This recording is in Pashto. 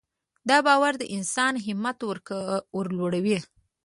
دا باور د انسان همت ورلوړوي.